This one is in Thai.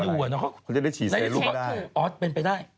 แล้วจะได้ฉีดเซรุมเข้าไปได้